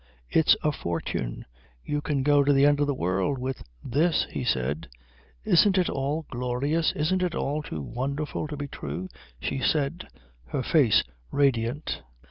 It's a fortune. You can go to the end of the world with this," he said. "Isn't it all glorious, isn't it all too wonderful to be true?" she said, her face radiant.